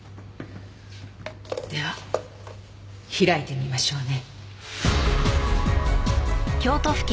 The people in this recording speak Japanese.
では開いてみましょうね。